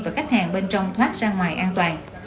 và khách hàng bên trong thoát ra ngoài an toàn